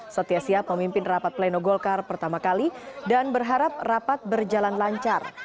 setia siap memimpin rapat pleno golkar pertama kali dan berharap rapat berjalan lancar